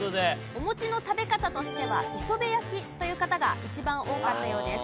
お餅の食べ方としてはいそべ焼きという方が一番多かったようです。